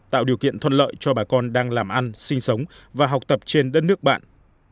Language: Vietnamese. tạo điều kiện thuận lợi cho bà con đang làm ăn sinh sống và học tập trên đất nước bạn